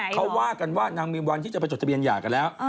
เขาว่ากันว่านางมีวันที่จะไปจดทะเบียนหย่ากันแล้ว